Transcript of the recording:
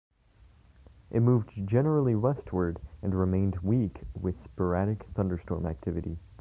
It moved generally westward, and remained weak with sporadic thunderstorm activity.